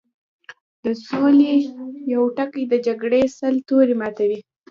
د سولې يو ټکی د جګړې سل تورې ماتوي